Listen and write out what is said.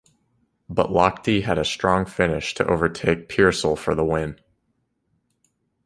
But Lochte had a strong finish to over-take Peirsol for the win.